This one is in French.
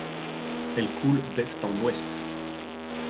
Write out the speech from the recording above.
Elle coule d’est en ouest.